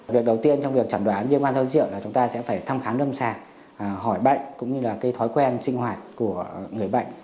việc đầu tiên trong việc trần đoán viêm gan do rượu là chúng ta sẽ phải thăm khám lâm sàng hỏi bệnh cũng như là thói quen sinh hoạt của người bệnh